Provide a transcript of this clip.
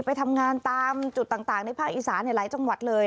ไปทำงานตามจุดต่างในภาคอีสานในหลายจังหวัดเลย